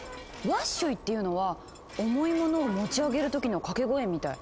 「ワッショイ」っていうのは重いものを持ち上げる時の掛け声みたい。